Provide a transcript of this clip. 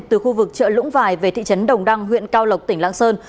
từ khu vực chợ lũng vài về thị trấn đồng đăng huyện cao lộc tỉnh lạng sơn